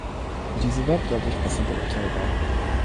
Diese werden dadurch besser beurteilbar.